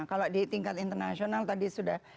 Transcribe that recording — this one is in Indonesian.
kalau di tingkat internasional tadi sudah